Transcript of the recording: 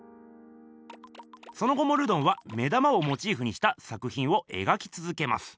その後もルドンは目玉をモチーフにした作ひんを描きつづけます。